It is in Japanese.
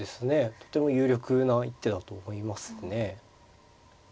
とても有力な一手だと思いますね。